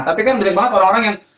tapi kan banyak banget orang orang yang